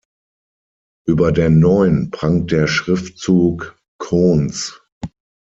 Über der Neun prangt der Schriftzug "Coontz".